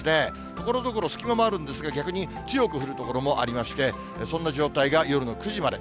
ところどころ、隙間もあるんですが、逆に強く降る所もありまして、そんな状態が夜の９時まで。